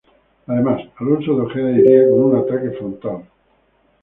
Además, Alonso de Ojeda iría con un ataque frontal.